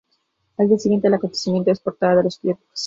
Al día siguiente el acontecimiento es portada de los periódicos.